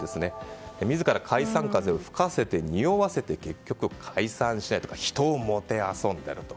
自ら解散風を吹かせてにおわせて結局解散しないとか人をもてあそんでいると。